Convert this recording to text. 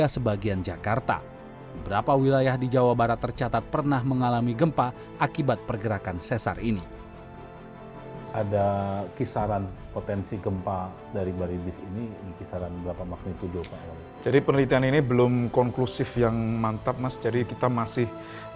terima kasih terima kasih terima kasih